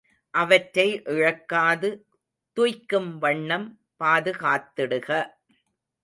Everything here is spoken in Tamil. அவற்றை இழக்காது துய்க்கும் வண்ணம் பாதுகாத்திடுக.